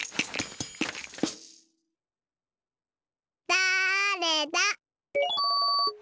だれだ？